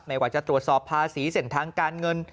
ไม่วกว่าจะตรวจสอบภาษีเสียงทางการเงิน